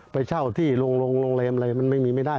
ไปเช่าที่โรงแรมอะไรมันไม่มีไม่ได้